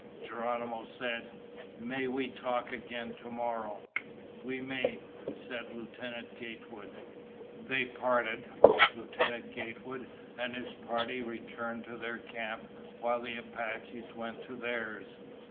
Geronimo said, "May we talk again tomorrow?" "We may," said Lieutenant Gatewood. They parted. Lieutenant Gatewood and his party returned to their camp while the Apaches went to theirs.